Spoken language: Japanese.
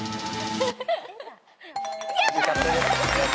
やったー！